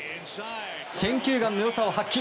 選球眼の良さを発揮。